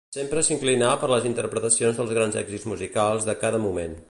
Sempre s'inclinà per les interpretacions dels grans èxits musicals de cada moment.